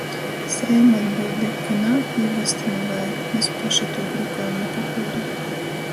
Sajem atbiļdi, ka nā, īvest navajag. Mes poši tū drukojam nu papeira...